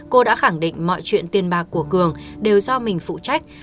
cô đã khẳng định mọi chuyện tiền bạc của cường đều do mình phụ trách